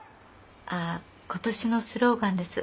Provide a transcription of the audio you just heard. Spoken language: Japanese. あ今年のスローガンです。